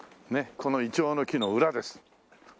このイチョウの木の裏です。